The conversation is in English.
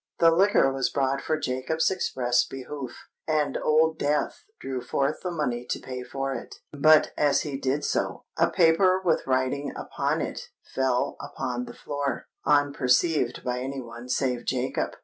The liquor was brought for Jacob's express behoof; and Old Death drew forth the money to pay for it. But, as he did so, a paper with writing upon it fell upon the floor, unperceived by any one save Jacob.